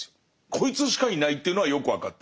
こいつしかいないっていうのはよく分かってる。